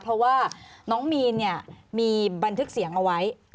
เพราะว่าน้องมีนมีบันทึกเสียงเอาไว้